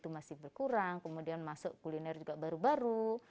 adalah harganya kota jawappingan